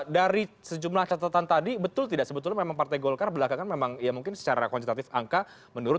dari sejumlah catatan tadi betul tidak sebetulnya memang partai golkar belakangan memang ya mungkin secara kuantitatif angka menurun